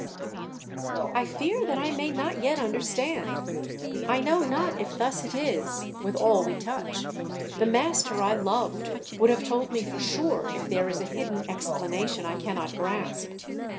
"I fear that I may not yet understand I know not if thus it is with all we touch; the master I loved would have told me for sure if there is a hidden explanation I cannot grasp.